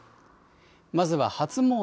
まずは初詣。